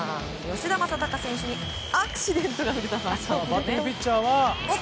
吉田正尚選手にアクシデントが。